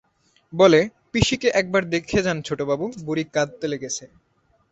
বলে, পিসিকে একবার দেখে যান ছোটবাবু, বুড়ি কাঁদতে লেগেছে।